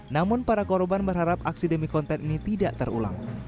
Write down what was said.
namun para korban berharap aksi demi konten ini tidak terulang